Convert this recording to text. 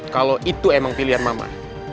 kalau itu emang pilihan mama